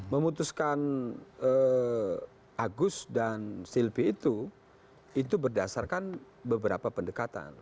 memutuskan agus dan silvi itu itu berdasarkan beberapa pendekatan